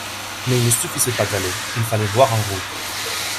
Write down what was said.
Mais il ne suffisait pas d’aller, il fallait voir en route.